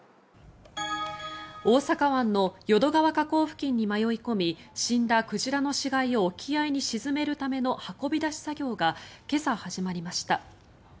大阪湾の淀川河口付近に迷い込み死んだ鯨の死骸を沖合に沈めるための運び出し作業が今朝、始まりました。